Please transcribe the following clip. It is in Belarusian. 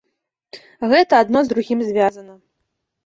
Гэта адно з другім звязана.